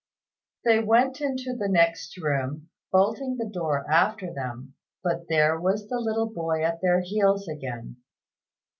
They went into the next room, bolting the door after them; but there was the little boy at their heels again.